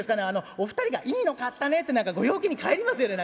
お二人が『いいの買ったね』って何かご陽気に帰りますよね。